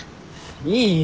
いいよ！